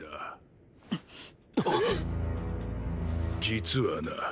実はな